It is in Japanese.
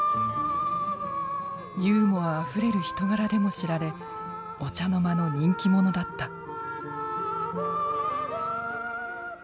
ユーモアあふれる人柄でも知られお茶の間の人気者だった。